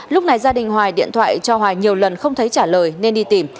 lúc này gia đình hoài điện thoại cho hoài nhiều lần không thấy trả lời nên đi tìm